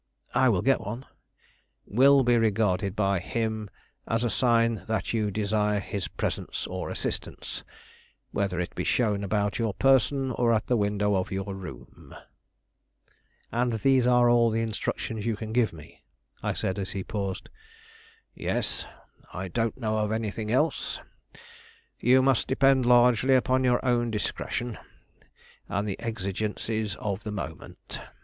"I will get one." "Will be regarded by him as a sign that you desire his presence or assistance, whether it be shown about your person or at the window of your room." "And these are all the instructions you can give me?" I said, as he paused. "Yes, I don't know of anything else. You must depend largely upon your own discretion, and the exigencies of the moment.